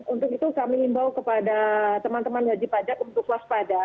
untuk itu kami imbau kepada teman teman wajib pajak untuk waspada